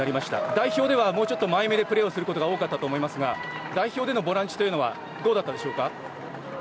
代表ではもうちょっと前めでプレーすることが多かったと思いますが代表でのボランチはどうだったでしょうか？